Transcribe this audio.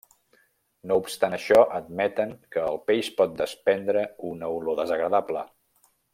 No obstant això, admeten que el peix pot desprendre una olor desagradable.